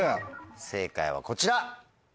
正解はこちら。